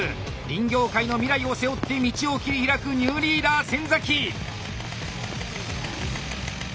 林業界の未来を背負って道を切り開くニューリーダー先！